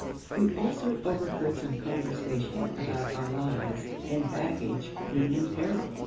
We also overheard some conversation about our lives and baggage being in peril.